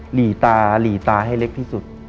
หลีตาหลีตาให้เล็กที่สุด